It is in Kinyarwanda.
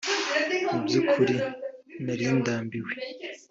Mu by’ukuri nari ndambiwe